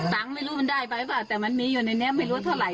ไม่รู้มันได้ไปหรือเปล่าแต่มันมีอยู่ในนี้ไม่รู้เท่าไห